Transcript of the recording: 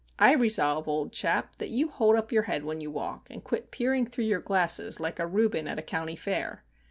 I resolve, old chap, that you hold up your head when you walk, and quit peering through your glasses like a Reuben at a County fair."